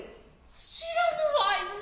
知らぬわいな。